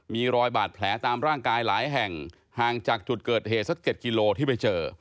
มีรอยบาดแผลตามร่างกายหลายแห่งห่างจากจุดเกิดเหตุสัก๗กิโลที่ไปเจอ